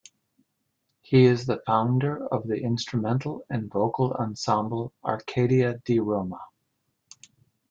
He is the founder of the instrumental and vocal ensemble Arcadia di Roma.